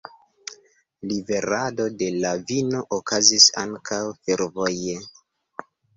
Liverado de la vino okazis ankaŭ fervoje.